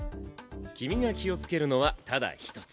君が気をつけるのはただ一つ。